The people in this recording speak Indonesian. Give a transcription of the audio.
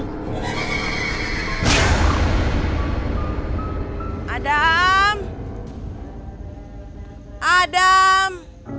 hai ada m